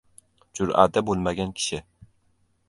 Jur’ati bo‘lmagan kishi —